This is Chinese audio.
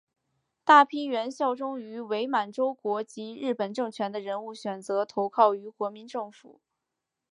大批原效忠于伪满洲国及日本政权的人物选择投靠于国民政府。